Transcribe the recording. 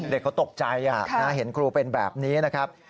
เด็กเขาตกใจเห็นครูเป็นแบบนี้นะครับ